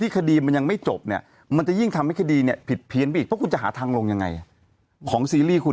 ของซีรีย์คุณหาทางลง